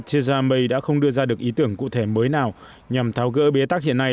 tera may đã không đưa ra được ý tưởng cụ thể mới nào nhằm tháo gỡ bế tắc hiện nay